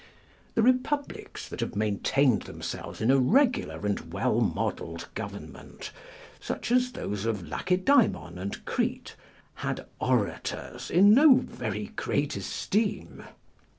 The republics that have maintained themselves in a regular and well modelled government, such as those of Lacedaemon and Crete, had orators in no very great esteem.